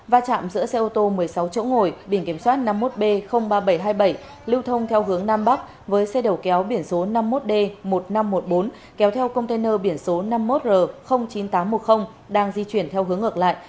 và chạm giữa xe ô tô một mươi sáu chỗ ngồi biển kiểm soát năm mươi một b ba nghìn bảy trăm hai mươi bảy lưu thông theo hướng nam bắc với xe đầu kéo biển số năm mươi một d một nghìn năm trăm một mươi bốn kéo theo container biển số năm mươi một r chín nghìn tám trăm một mươi đang di chuyển theo hướng ngược lại